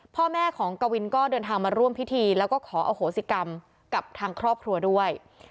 พ่อแม่ของกวินก็เดินทางมาร่วมพิธีแล้วก็ขออโหสิกรรมกับทางครอบครัวด้วย